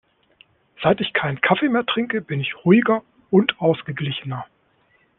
Seit ich keinen Kaffee mehr trinke, bin ich ruhiger und ausgeglichener.